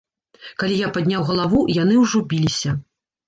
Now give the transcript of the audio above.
Калі я падняў галаву, яны ўжо біліся.